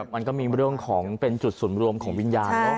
มันก็มีเรื่องของเป็นจุดศูนย์รวมของวิญญาณ